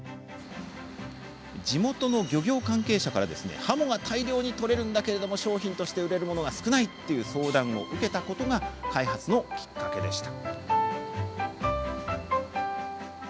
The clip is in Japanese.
地元の漁業関係者からハモが大量に取れるが商品として売れるものが少ないという相談を受けたことが開発のきっかけでした。